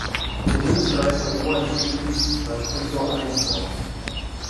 Der Münzmeister Johann Friedrichs war Gregor Einkorn.